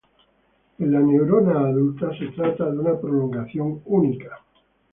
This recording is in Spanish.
En la neurona adulta se trata de una prolongación única.